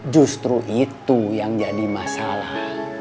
justru itu yang jadi masalah